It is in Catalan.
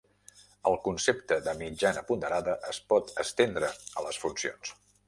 El concepte de mitjana ponderada es pot estendre a les funcions.